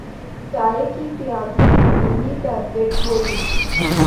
چائے کی پیالی میں نیلی ٹیبلٹ گھولی